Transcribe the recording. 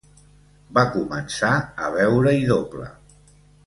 Va començar a veure-hi doble.